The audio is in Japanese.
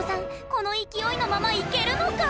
この勢いのままいけるのか？